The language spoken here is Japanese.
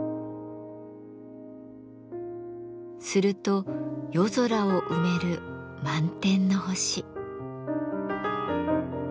すると夜空を埋める満天の星。